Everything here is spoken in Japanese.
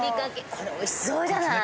これおいしそうじゃない？